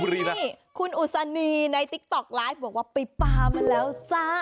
นี่คุณอุศนีในติ๊กต๊อกไลฟ์บอกว่าไปปลามาแล้วจ้า